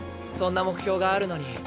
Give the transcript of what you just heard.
そんな目標があるのに。